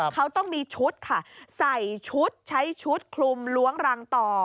เขาต้องมีชุดค่ะใส่ชุดใช้ชุดคลุมล้วงรังต่อ